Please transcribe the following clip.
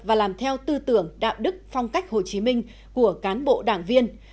và làm theo tư tưởng đạo đức phong cách hồ chí minh của cán bộ đảng viên